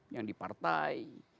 yang di partai